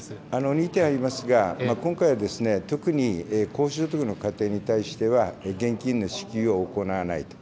２点ありますが、今回は特に高所得の家庭に対しては、現金の支給は行わないと。